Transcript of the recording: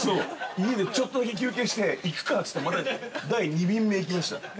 家でちょっとだけ休憩して行くかつって第２便目行きました。